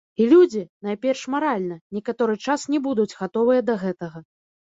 І людзі, найперш маральна, некаторы час не будуць гатовыя да гэтага.